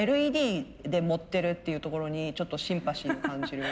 ＬＥＤで盛ってるっていうところにちょっとシンパシーを感じる。